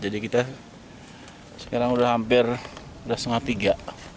jadi kita sekarang udah hampir udah setengah tiga